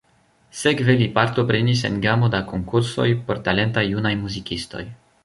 Sekve li partoprenis en gamo da konkursoj por talentaj junaj muzikistoj.